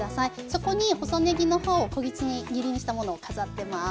そこに細ねぎの葉を小口切りにしたものを飾ってます。